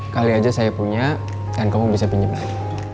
kali aja saya punya dan kamu bisa pinjam lagi